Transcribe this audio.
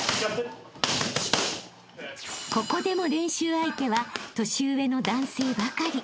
［ここでも練習相手は年上の男性ばかり］